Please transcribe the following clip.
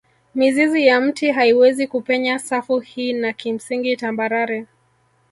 Mizizi ya mti haiwezi kupenya safu hii na kimsingi tambarare